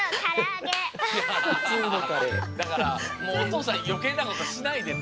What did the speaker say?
だからもうおとうさんよけいなことしないでと。